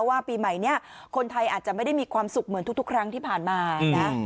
ว่าปีใหม่นี้คนไทยอาจจะไม่ได้มีความสุขเหมือนทุกครั้งที่ผ่านมานะ